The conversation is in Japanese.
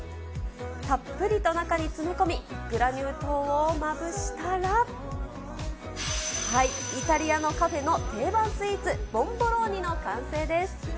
たっぷりと中に詰め込み、グラニュー糖をまぶしたら、はい、イタリアのカフェの定番スイーツ、ボンボローニの完成です。